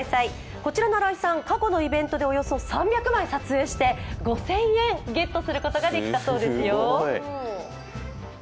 こちらの新井さん、過去のイベントでおよそ３００枚撮影して５０００円ゲットすることができたそうですよ。